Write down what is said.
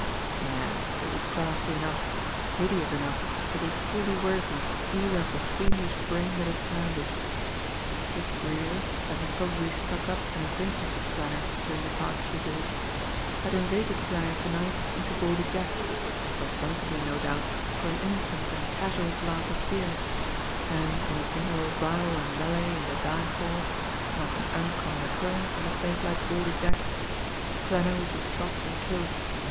Yes, it was crafty enough, hideous enough to be fully worthy even of the fiendish brain that had planned it! Kid Greer, having probably struck up an acquaintance with Klanner during the past few days, had inveigled Klanner to night into Baldy Jack's, ostensibly, no doubt, for an innocent and casual glass of beer, and in a general row and melee in the dance hall not an uncommon occurrence in a place like Baldy Jack's Klanner would be shot and killed.